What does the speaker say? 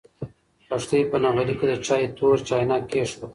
لښتې په نغري کې د چایو تور چاینک کېښود.